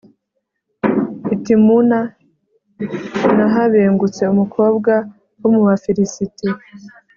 i timuna, nahabengutse umukobwa wo mu bafilisiti